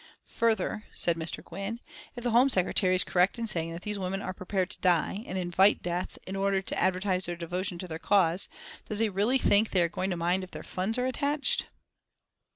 "Further," said Mr. Gwynne, "if the Home Secretary is correct in saying that these women are prepared to die, and invite death, in order to advertise their devotion to their cause, does he really think they are going to mind if their funds are attached?"